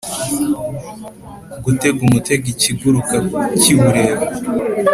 gutega umutego ikiguruka kiwureba,